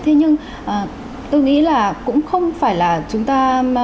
thế nhưng tôi nghĩ là cũng không phải là chúng ta